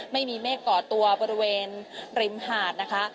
ไม่มีเมฆก่อตัวบริเวณริมหาดนะคะ